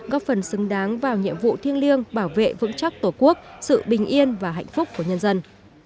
góp phần xứng đáng vào nhiệm vụ thiêng liêng bảo vệ vững chắc tổ quốc sự bình yên và hạnh phúc của nhân dân